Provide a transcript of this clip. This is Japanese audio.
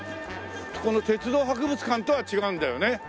そこの鉄道博物館とは違うんだよね？